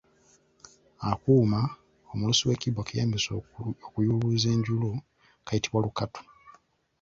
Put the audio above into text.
Akuuma omulusi w'ekibbo ke yeeyambisa okuyubuluza enjulu kayitibwa lukatu.